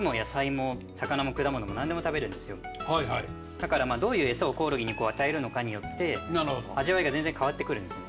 だからどういう餌をコオロギに与えるのかによって味わいが全然変わってくるんですよね。